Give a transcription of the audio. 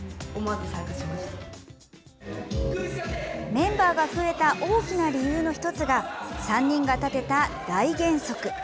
メンバーが増えた大きな理由の１つが３人が立てた大原則。